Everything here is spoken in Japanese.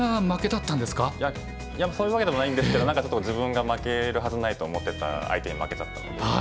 いやそういうわけでもないんですけどちょっと自分が負けるはずないと思ってた相手に負けちゃったので。